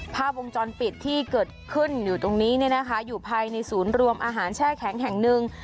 ภาพวงจรปิดที่เกิดขึ้นอยู่ตรงนี้อยู่ภายในศูนย์รวมอาหารแช่แข็งแห่งหนึ่ง